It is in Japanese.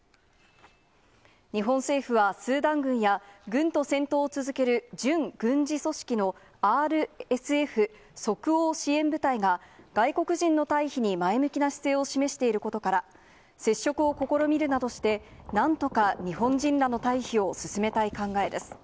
日本政府はスーダン軍や、軍と戦闘を続ける、準軍事組織のＲＳＦ・即応支援部隊が外国人の退避に前向きな姿勢を示していることから、接触を試みるなどして、なんとか日本人らの退避を進めたい考えです。